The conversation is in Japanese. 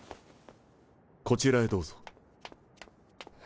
こちらへどうぞ。